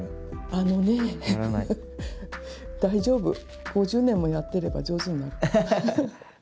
あのね大丈夫５０年もやってれば上手になる。